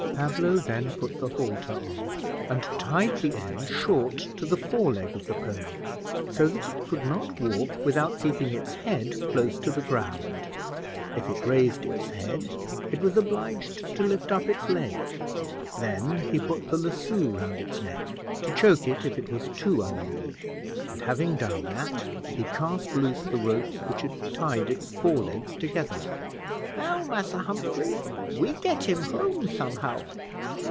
Pablo then put the halter on, and tied the end short to the fore leg of the pony, so that it could not walk without keeping its head close to the ground if it raised its head, it was obliged to lift up its leg. Then he put the lasso round its neck, to choke it if it was too unruly, and having done that, he cast loose the ropes which had tied its fore legs together. "Now, Massa Humphrey, we get him home somehow.